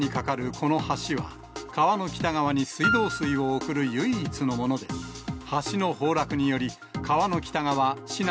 この橋は、川の北側に水道水を送る唯一のもので、橋の崩落により、川の北側、市内